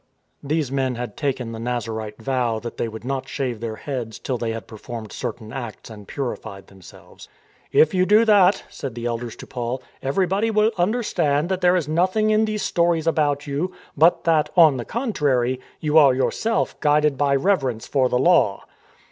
These men had taken the Nazarite vow that they would not shave their heads till they had performed certain acts and purified themselves. " If you do that," said the elders to Paul, " everybody will understand that there is nothing 290 STORM AND STRESS in these stories about you, but that, on the con trary, you are yourself guided by reverence for the Law.